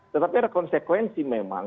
tetapi ada konsekuensi memang